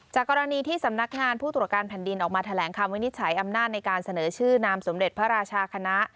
กรณีที่สำนักงานผู้ตรวจการแผ่นดินออกมาแถลงคำวินิจฉัยอำนาจในการเสนอชื่อนามสมเด็จพระราชาคณะ